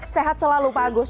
sehat selalu pak agus